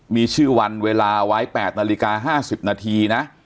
มีชื่อวันเวลาไว้๘นาฬิกา๕๐นาทีนะ